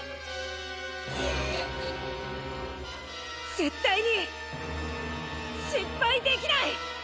絶対に失敗できない！